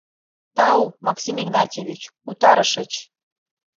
Тау, Максим Игнатьевич, утарышыч.